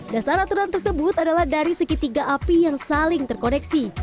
dasar aturan tersebut adalah dari segitiga api yang saling terkoneksi